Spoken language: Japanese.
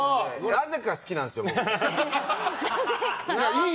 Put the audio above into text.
なぜか好きなんですよね。